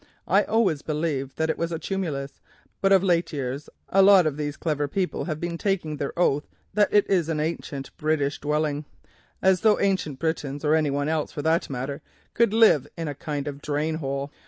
I always believed that it was a tumulus, but of late years a lot of these clever people have been taking their oath that it is an ancient British dwelling, as though Ancient Britons, or any one else for that matter, could live in a kind of drainhole.